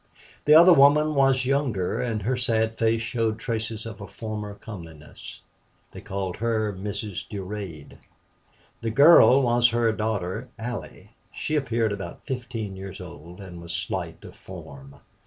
The other woman was younger, and her sad face showed traces of a former comeliness. They called her Mrs. Durade. The girl was her daughter Allie. She appeared about fifteen years old, and was slight of form.